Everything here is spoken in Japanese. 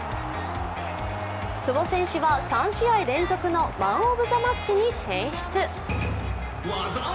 久保選手は３試合連続のマン・オブ・ザ・マッチに選出。